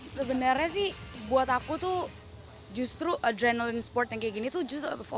sebenarnya sih buat aku tuh justru adrenalin sport yang kayak gini tuh justru